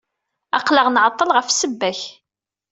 Aql-aɣ nɛeṭṭel ɣef ssebba-k.